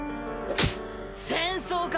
戦争か！